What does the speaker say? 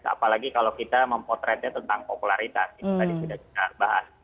apalagi kalau kita mempotretnya tentang popularitas itu tadi sudah kita bahas